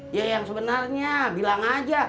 ya yang sebenarnya bilang aja